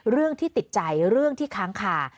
เรื่องที่ติดใจเรื่องที่ค้างคา